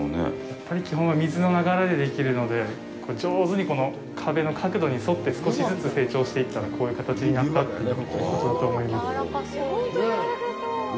やっぱり、基本は水の流れでできるので、上手に壁の角度に沿って少しずつ成長していったらこういう形になったということだと思います。